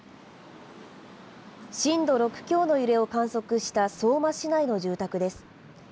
震度６強の揺れを観測した相馬市内の住宅です。